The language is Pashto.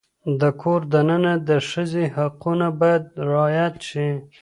د کور دننه د ښځې حقونه باید رعایت شي.